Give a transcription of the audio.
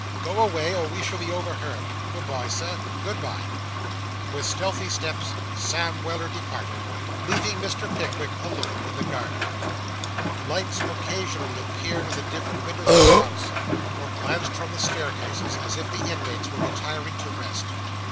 Go away, or we shall be overheard.' 'Good bye, Sir.' 'Good bye.' With stealthy steps Sam Weller departed, leaving Mr. Pickwick alone in the garden. Lights occasionally appeared in the different windows of the house, or glanced from the staircases, as if the inmates were retiring to rest.